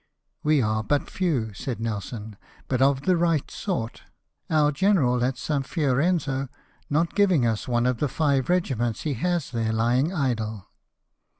" We are but few," said Nelson, " but of the right sort ; our general at St. Fiorenzo not giving us one of the five regiments he has there lying idle."